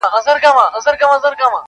• کله له واورو او له یخنیو -